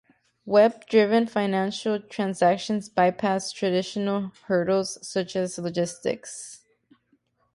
Web-driven financial transactions bypass traditional hurdles such as logistics.